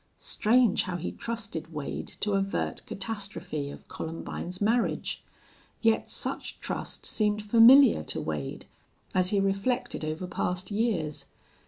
Strange how he trusted Wade to avert catastrophe of Columbine's marriage! Yet such trust seemed familiar to Wade, as he reflected over past years.